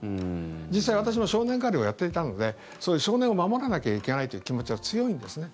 実際、私も少年課でもやっていたのでそういう少年を守らなきゃいけないという気持ちは強いんですね。